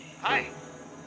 はい。